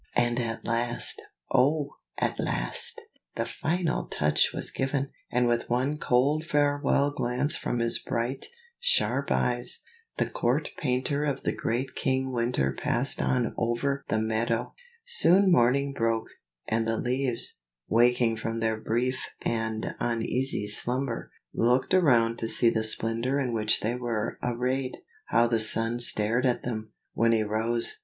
And at last, oh! at last, the final touch was given, and with one cold farewell glance from his bright, sharp eyes, the court painter of the great King Winter passed on over the meadow. Soon morning broke, and the leaves, waking from their brief and uneasy slumber, looked around to see the splendor in which they were arrayed. How the sun stared at them, when he rose.